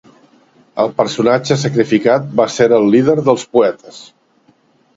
El personatge sacrificat va ser el líder dels poetes.